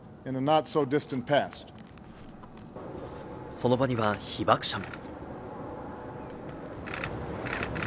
その場には被爆者も。